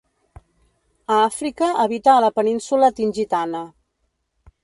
A Àfrica habita a la Península Tingitana.